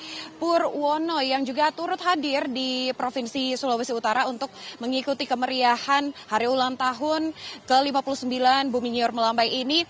pak purwono yang juga turut hadir di provinsi sulawesi utara untuk mengikuti kemeriahan hari ulang tahun ke lima puluh sembilan bumi nyur melambai ini